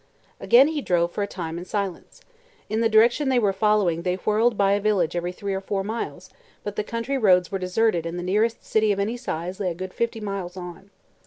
Again he drove for a time in silence. In the direction they were following they whirled by a village every three or four miles, but the country roads were deserted and the nearest city of any size lay a good fifty miles on.